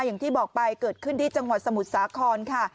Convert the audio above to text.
อย่างที่บอกไปเกิดขึ้นที่จังหวัดสมุทรสาครค่ะ